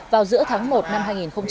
vào giữa tháng một năm hai nghìn hai mươi